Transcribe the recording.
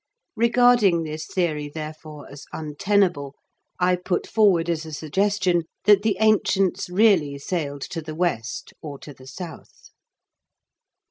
Regarding this theory, therefore, as untenable, I put forward as a suggestion that the ancients really sailed to the west or to the south.